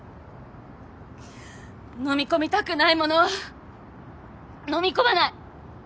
のみ込みたくないものはのみ込まない。